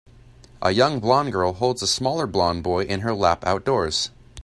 A young blond girl holds a smaller blond boy in her lap outdoors.